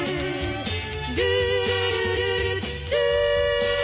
「ルールルルルルー」